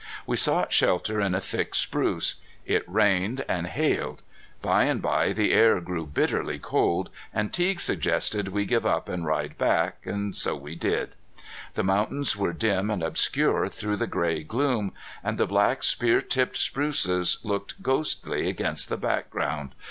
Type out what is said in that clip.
We sought shelter in a thick spruce. It rained and hailed. By and bye the air grew bitterly cold, and Teague suggested we give up, and ride back. So we did. The mountains were dim and obscure through the gray gloom, and the black spear tipped spruces looked ghostly against the background.